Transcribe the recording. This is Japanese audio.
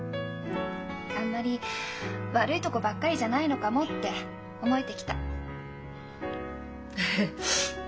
あんまり悪いとこばっかりじゃないのかもって思えてきた。